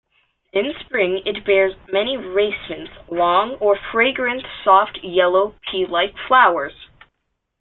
In spring it bears many racemes, long, of fragrant, soft yellow, pea-like flowers.